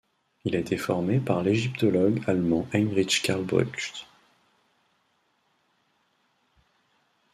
Il a été formé par l'égyptologue allemand Heinrich Karl Brugsch.